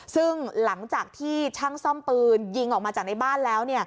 ซึ่งหลังจากที่ช่างซ่อมปืนยิงออกมาจากในบ้านแล้ว